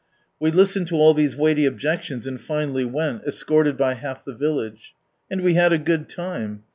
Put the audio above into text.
We listened to all these weighty objeclions, and finally went, escorted by half the village. And we had a good time.